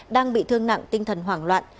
đang bị thương nặng tinh thần hoảng loạn